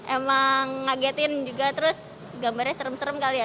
emang ngagetin juga terus gambarnya serem serem kali ya